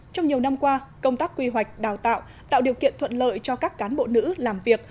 trong nhiều năm qua công tác quy hoạch đào tạo tạo điều kiện thuận lợi cho các cán bộ nữ làm việc